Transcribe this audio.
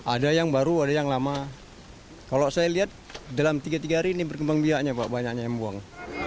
ada yang baru ada yang lama kalau saya lihat dalam tiga tiga hari ini berkembang biaknya pak banyaknya yang buang